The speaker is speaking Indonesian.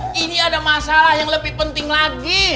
ini ada masalah yang lebih penting lagi